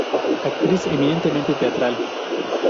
Actriz eminentemente teatral.